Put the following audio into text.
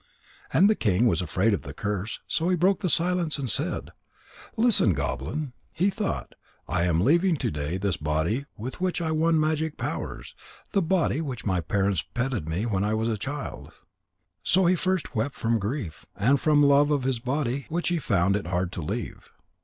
And the king was afraid of the curse, so he broke silence and said: "Listen, goblin. He thought: I am leaving to day this body with which I won magic powers, the body which my parents petted when I was a child.' So first he wept from grief, and from love of his body which he found it hard to leave.